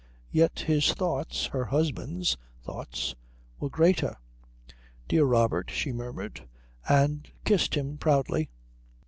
Yet his thoughts, her husband's thoughts, were greater. "Dear Robert," she murmured; and kissed him proudly.